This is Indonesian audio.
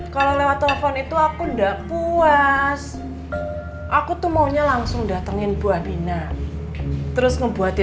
kalau lewat telepon itu aku enggak puas aku tuh maunya langsung datengin buah bina terus ngebuatin